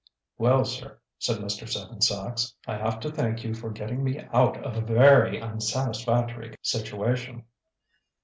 "Well, sir," said Mr. Seven Sachs, "I have to thank you for getting me out of a very unsatisfactory situation."